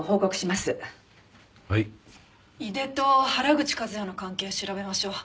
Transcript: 井出と原口和也の関係調べましょう。